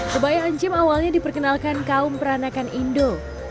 kebaya encim awalnya diperkenalkan kaum peranakan indo